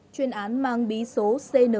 chuyên án mang bí số cn sáu